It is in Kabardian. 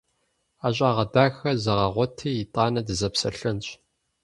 Ӏэщагъэ дахэ зэгъэгъуэти, итӀанэ дызэпсэлъэнщ!